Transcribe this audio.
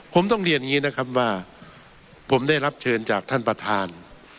ผมต้องเรียนอย่างนี้นะครับว่าผมได้รับเชิญจากท่านประธาน